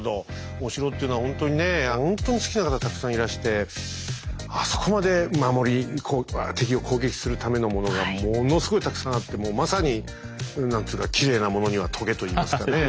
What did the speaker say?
お城っていうのはほんとにねほんとに好きな方たくさんいらしてあそこまで守り敵を攻撃するためのものがものすごいたくさんあってもうまさになんつうか「きれいなものにはとげ」といいますかね。